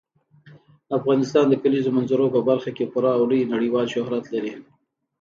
افغانستان د کلیزو منظره په برخه کې پوره او لوی نړیوال شهرت لري.